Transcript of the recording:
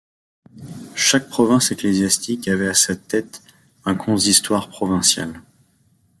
Chaque province ecclésiastique avait à sa tête un consistoire provincial.